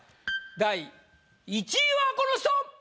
第１位はこの人！